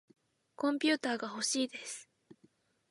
コンピューターがほしいです。